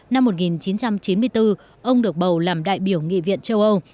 năm một nghìn chín trăm chín mươi bốn ông được bầu làm đại biểu nghị viện châu âu